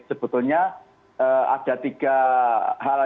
sebetulnya ada tiga hal